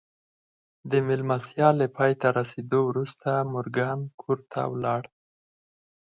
د مېلمستیا له پای ته رسېدو وروسته مورګان کور ته ولاړ